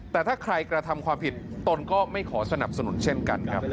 แต่ถ้าใครกระทำความผิดตนก็ไม่ขอสนับสนุนเช่นกันครับ